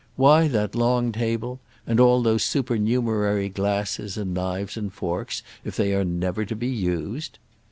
Why that long table, and all those supernumerary glasses and knives and forks, if they are never to be used?